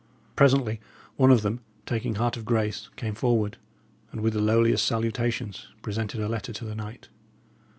Presently one of them, taking heart of grace, came forward, and with the lowliest salutations, presented a letter to the knight.